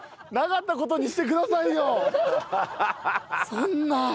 そんな。